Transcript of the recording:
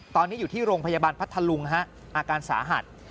ตอนนี้อยู่ที่โรงพยาบาลพัทธลุงฮะอาการสาหัส